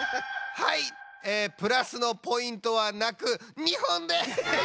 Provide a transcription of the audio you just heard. はいえプラスのポイントはなく２ほんです！